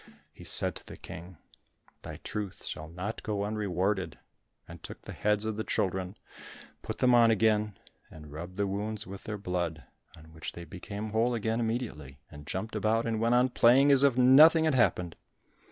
He said to the King, "Thy truth shall not go unrewarded," and took the heads of the children, put them on again, and rubbed the wounds with their blood, on which they became whole again immediately, and jumped about, and went on playing as if nothing had happened.